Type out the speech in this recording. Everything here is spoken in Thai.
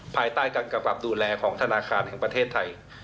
ภายใต้การกำกับดูแลของธนาคารแห่งประเทศไทย